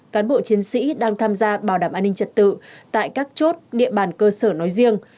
cán bộ chiến sĩ đang tham gia bảo đảm an ninh trật tự tại các chốt địa bàn cơ sở nói riêng